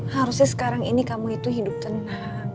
harusnya sekarang ini kamu itu hidup tenang